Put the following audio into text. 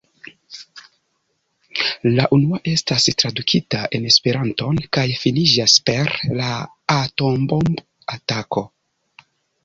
La unua estas tradukita en Esperanton kaj finiĝas per la atombomb-atako.